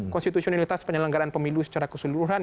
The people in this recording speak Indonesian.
konstitusionalitas penyelenggaraan pemilu secara keseluruhan